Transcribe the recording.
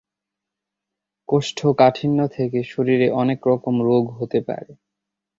কোষ্ঠকাঠিন্য থেকে শরীরে অনেক রকম রোগ হতে পারে।